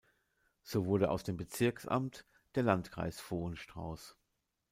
So wurde aus dem Bezirksamt der Landkreis Vohenstrauß.